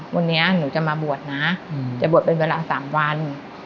วันนี้หนูจะมาบวชนะจะบวชเป็นเวลา๓วัน